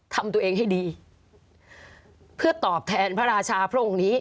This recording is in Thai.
ทำตัวเองให้ดีเพื่อตอบแทนพระราชาพระองค์นี้